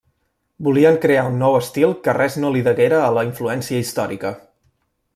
Volien crear un nou estil que res no li deguera a la influència històrica.